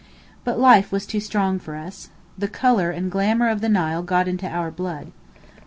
But life was too strong for us. The colour and glamour of the Nile got into our blood.